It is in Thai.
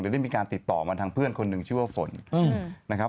ได้มีการติดต่อมาทางเพื่อนคนหนึ่งชื่อว่าฝนนะครับ